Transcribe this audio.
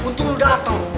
eh untung lo dateng